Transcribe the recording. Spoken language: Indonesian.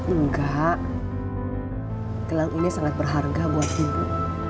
enggak gelang ini sangat berharga buat ibu